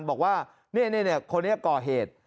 บอกว่าคนนี้ก่อเหตุ